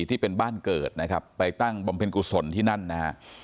ที่เป็นบ้านเกิดนะครับไปตั้งบำเพ็ญกุศลที่นั่นนะฮะ